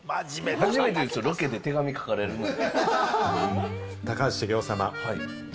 初めてですよ、ロケで手紙を書かれるのは。